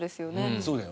そうだよ。